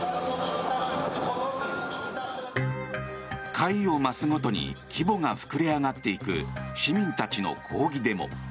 回を増すごとに規模が膨れ上がっていく市民たちの抗議デモ。